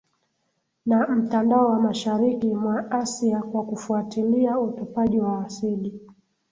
na Mtandao wa Mashariki mwa Asia wa Kufuatilia Utupaji wa Asidi